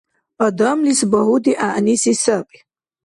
Адамлис багьуди гӀягӀниси саби.